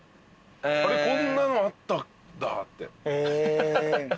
あれこんなのあったんだって。